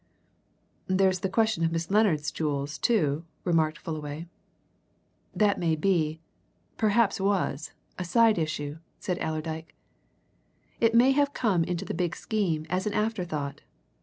"There's the question of Miss Lennard's jewels, too," remarked Fullaway. "That may be perhaps was a side issue," said Allerdyke. "It may have come into the big scheme as an after thought.